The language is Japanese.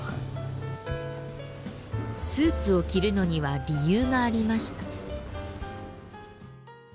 スーツを着るのには理由がありました。